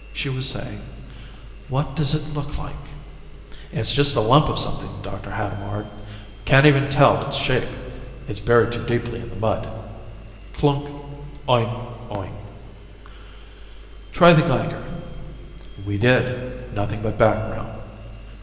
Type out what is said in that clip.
She was saying: "What does it look like?" "It's just a lump of something, Dr. Hadamard. Can't even tell its shape it's buried too deeply in the mud." Cloonk ... Oing, oing ... "Try the Geiger." "We did. Nothing but background."